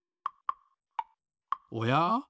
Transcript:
おや？